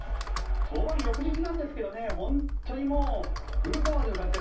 登板翌日なんですけど本当にフルパワーでの活躍。